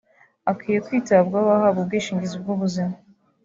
Akwiye kwitabwaho ahabwa ubwishingizi bw’ubuzima